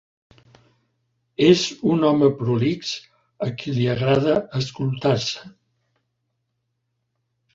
És un home prolix, a qui li agrada escoltar-se.